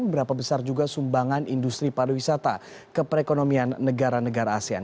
berapa besar juga sumbangan industri pariwisata ke perekonomian negara negara asean